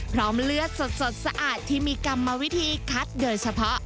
เลือดสดสะอาดที่มีกรรมวิธีคัดโดยเฉพาะ